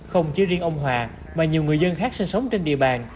không chỉ riêng ông hòa mà nhiều người dân khác sinh sống trên địa bàn